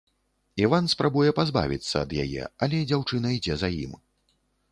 Іван спрабуе пазбавіцца ад яе, але дзяўчына ідзе за ім.